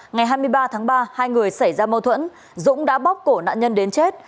ngày hai mươi ba tháng ba hai người xảy ra mâu thuẫn dũng đã bóc cổ nạn nhân đến chết